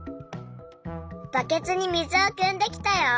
バケツに水をくんできたよ。